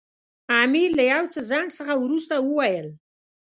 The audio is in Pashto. امیر له یو څه ځنډ څخه وروسته وویل.